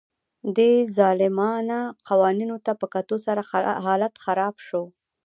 دې ظالمانه قوانینو ته په کتو سره حالت خراب شو